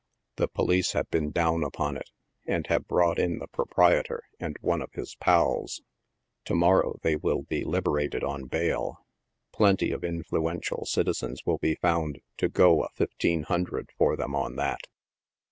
'1 he police have been down upon it, and have brought in the proprietor and one of his " pals." To morrow they will be liberated on bail. Plenty of '' influential" citizens will be found to go a 1500 for them on that.